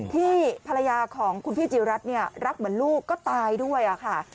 ที่ภรรยาของคุณพี่จิรัตนเนี่ยรักเหมือนลูกก็ตายด้วยค่ะ